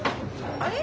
あれ？